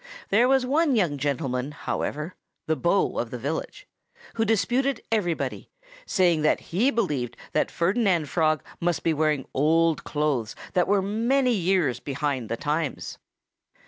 There was one young gentleman, however the beau of the village who disputed everybody, saying that he believed that Ferdinand Frog must be wearing old clothes that were many years behind the times.